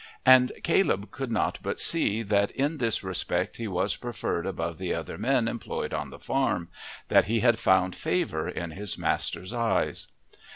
And Caleb could not but see that in this respect he was preferred above the other men employed on the farm that he had "found favour" in his master's eyes.